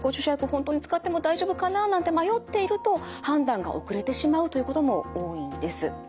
本当に使っても大丈夫かななんて迷っていると判断が遅れてしまうということも多いんです。